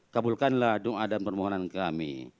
kabulkanlah doa dan permohonan kami